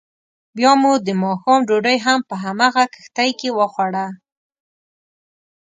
بیا مو دماښام ډوډۍ هم په همغه کښتۍ کې وخوړه.